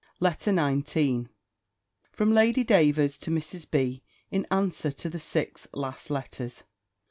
B. LETTER XIX _From Lady Davers to Mrs. B. in answer to the six last Letters.